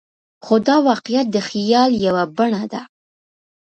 خو دا واقعیت د خیال یوه بڼه ده.